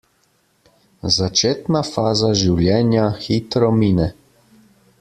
Začetna faza življenja hitro mine.